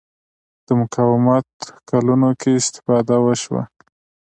د مقاومت کلونو کې استفاده وشوه